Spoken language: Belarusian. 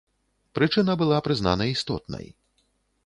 Прычына была прызнана істотнай.